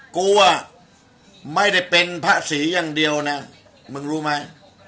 กลัวไม่ได้เป็นพระศรีอย่างเดียวนะมึงรู้ไหม